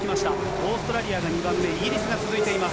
オーストラリアが２番目、イギリスが続いていきます。